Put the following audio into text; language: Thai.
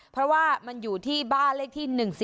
เพราะว่ามันอยู่ที่บ้านเลขที่๑๔